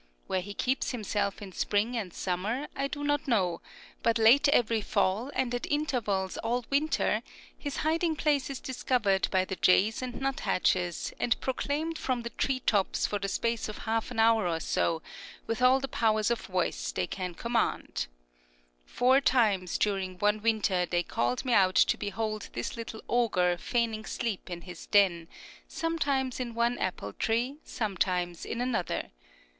Where he keeps himself in spring and summer, I do not know, but late every fall, and at intervals all winter, his hiding place is discovered by the jays and nuthatches, and proclaimed from the tree tops for the space of half an hour or so, with all the powers of voice they can command. Four times during one winter they called me out to behold this little ogre feigning sleep in his den, sometimes in one apple tree, sometimes in another.